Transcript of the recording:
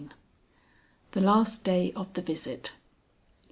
THE LAST DAY OF THE VISIT.